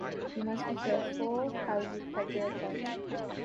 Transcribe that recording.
You must be careful how you peg your opponent.